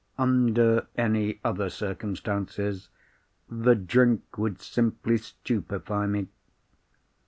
Under any other circumstances, the drink would simply stupefy me.